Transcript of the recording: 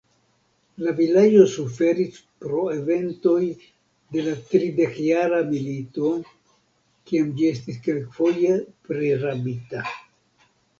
La vilaĝo suferis pro eventoj de la tridekjara milito, kiam ĝi estis kelkfoje prirabita.